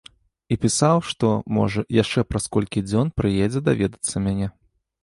І пісаў, што, можа, яшчэ праз колькі дзён прыедзе даведацца мяне.